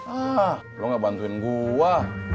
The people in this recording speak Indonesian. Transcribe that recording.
ah lu gak bantuin gua